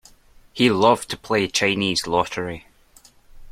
He loved to play Chinese lottery.